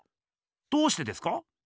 どうしてですか？